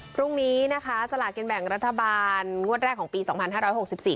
พรุ่งนี้นะคะสลากินแบ่งรัฐบาลงวดแรกของปีสองพันห้าร้อยหกสิบสี่